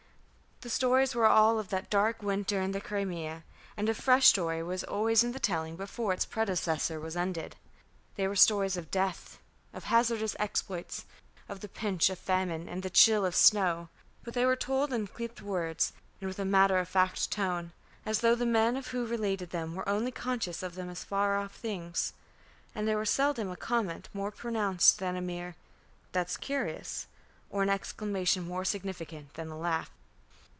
The stories were all of that dark winter in the Crimea, and a fresh story was always in the telling before its predecessor was ended. They were stories of death, of hazardous exploits, of the pinch of famine, and the chill of snow. But they were told in clipped words and with a matter of fact tone, as though the men who related them were only conscious of them as far off things; and there was seldom a comment more pronounced than a mere "That's curious," or an exclamation more significant than a laugh.